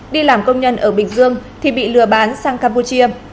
đi làm công nhân ở bình dương thì bị lừa bán sang campuchia